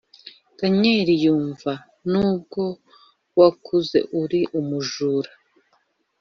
daniel nyumva! nubwo wakuze uri umujura